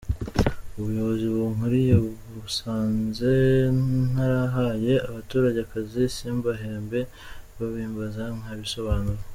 Ubuyobozi bunkuriye busanze narahaye abaturage akazi simbahembe, babimbaza nkabisobanura.